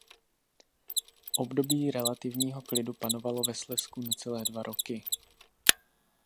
Období relativního klidu panovalo ve Slezsku necelé dva roky.